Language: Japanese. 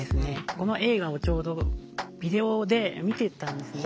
この映画をちょうどビデオで見てたんですね。